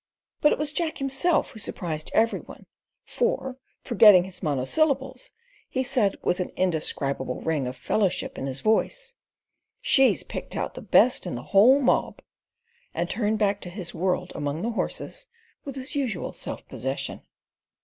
But it was Jack himself who surprised every one, for, forgetting his monosyllables, he said with an indescribable ring of fellowship in his voice, "She's picked out the best in the whole mob," and turned back to his world among the horses with his usual self possession.